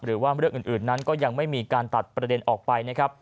หรือว่าเรื่องอื่นนั้นก็ยังไม่มีการตัดประเด็นออกไปนะครับ